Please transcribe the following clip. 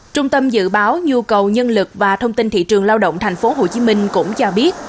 trung tâm dự báo nhu cầu nhân lực và thông tin thị trường lao động tp hcm cũng cho biết